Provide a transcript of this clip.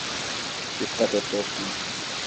Dikkat et dostum.